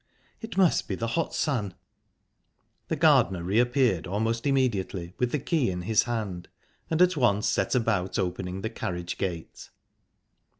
"It must be the hot sun." The gardener reappeared almost immediately with the key in his hand, and at once set about opening the carriage gate.